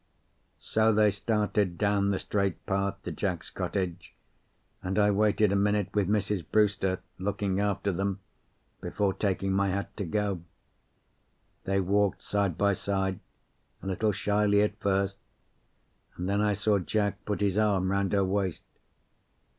So they started down the straight path to Jack's cottage, and I waited a minute with Mrs. Brewster, looking after them, before taking my hat to go. They walked side by side, a little shyly at first, and then I saw Jack put his arm round her waist.